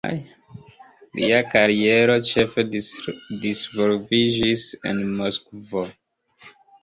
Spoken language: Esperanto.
Lia kariero ĉefe disvolviĝis en Moskvo.